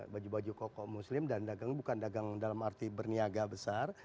baju baju kokoh muslim dan dagang bukan dagang dalam arti berniaga besar